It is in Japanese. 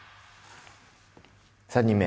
３人目。